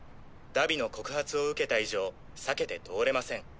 荼毘の告発を受けた以上避けて通れません。